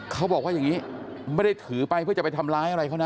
เขาบอกว่าอย่างนี้ไม่ได้ถือไปเพื่อจะไปทำร้ายอะไรเขานะ